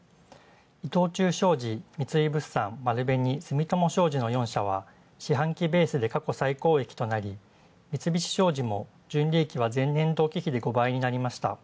伊藤忠商事、三井物産、丸紅、住友商社の４社は四半期ベースで過去最高益となり、三菱商事も前年の５倍になりました。